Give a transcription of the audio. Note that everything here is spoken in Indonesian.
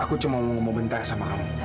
aku cuma mau ngomong bentar sama kamu